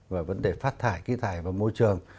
và vấn đề phát thải kỹ thải vào môi trường